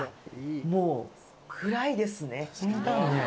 もう暗いですね。